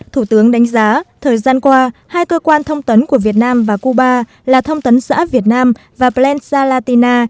thủ tướng đánh giá thời gian qua hai cơ quan thông tấn của việt nam và cuba là thông tấn xã việt nam và plansalatina